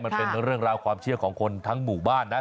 มันเป็นเรื่องราวความเชื่อของคนทั้งหมู่บ้านนะ